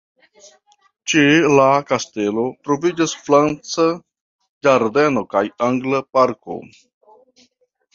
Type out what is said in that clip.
Ĉe la kastelo troviĝas franca ĝardeno kaj angla parko.